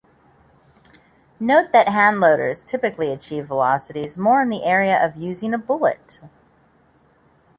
Note that handloaders typically achieve velocities more in the area of using a bullet.